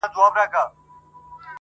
o جـنــگ له فريادي ســــره.